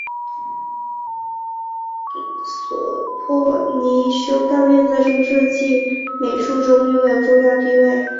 索泼查尼修道院在中世纪塞尔维亚美术中拥有重要地位。